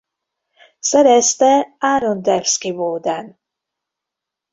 Szerezte Aaron Dembski-Bowden.